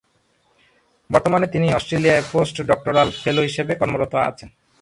বর্তমানে তিনি অস্ট্রেলিয়ায় পোস্ট ডক্টরাল ফেলো হিসেবে কর্মরত আছেন।